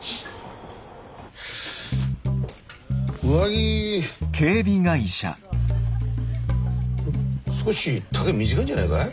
上着少し丈短いんじゃないかい？